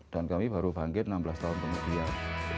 dan kami baru bangkit enam belas tahun kemudian